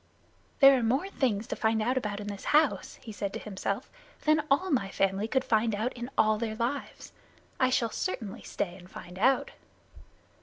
"There are more things to find out about in this house," he said to himself, "than all my family could find out in all their lives. I shall certainly stay and find out."